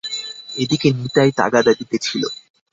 এদিকে নিতাই তাগাদা দিতেছিল।